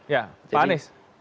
ya pak anies